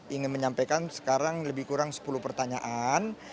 ingin menyampaikan sekarang lebih kurang sepuluh pertanyaan